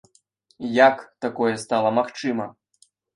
Як такое стала магчымым?